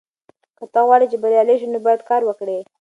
که ته غواړې چې بریالی شې نو باید کار وکړې.